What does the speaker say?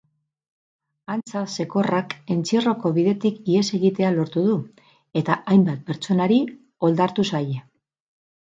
Antza zekorrak entzierroko bidetik ihes egitea lortu du eta hainbat pertsonari oldartu zaie.